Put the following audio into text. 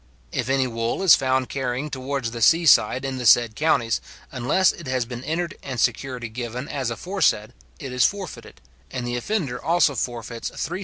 If any wool is found carrying towards the sea side in the said counties, unless it has been entered and security given as aforesaid, it is forfeited, and the offender also forfeits 3s.